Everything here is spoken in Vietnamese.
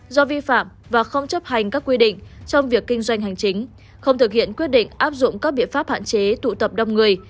do vi phạm và không chấp hành các quy định trong việc kinh doanh hành chính không thực hiện quyết định áp dụng các biện pháp hạn chế tụ tập đông người